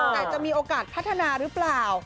แต่จะมีโอกาสพัฒนาหรือเปล่า